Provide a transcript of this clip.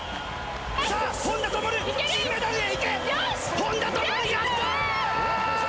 さあ、本多灯、銀メダルへいけ、本多灯やったー！